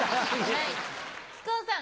木久扇さん。